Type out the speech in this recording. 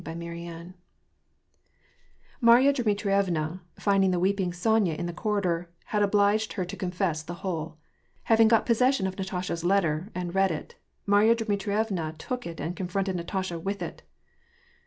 CHAPTER XVm Mabta Dmitbictka, finding the weeping Sonya in the corridor, had obliged her to confess the whole. Having got possession of Natasha's letter, and read it, Maiya Dmitrievna took it and confronted Natasha with it.